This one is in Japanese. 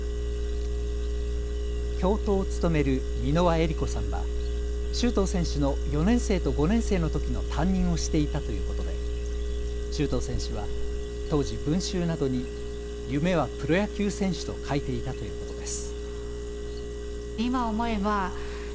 教頭を務める蓑輪エリ子さんは周東選手の４年生と５年生のときの担任をしていたということで周東選手は当時、文集などに夢はプロ野球選手と書いていたということです。